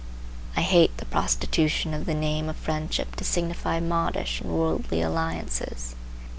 I hate the prostitution of the name of friendship to signify modish and worldly alliances.